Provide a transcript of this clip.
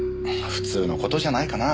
普通の事じゃないかな。